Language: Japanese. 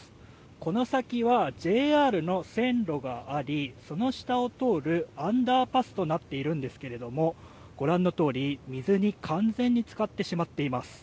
この先はＪＲの線路がありその下を通るアンダーパスとなっているんですけれどもご覧のとおり、水に完全につかってしまっています。